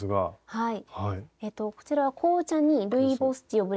はい。